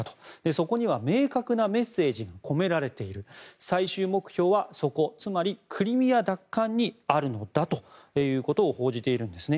そこには明確なメッセージが込められている最終目標はそこつまりクリミア奪還にあるのだと報じているんです。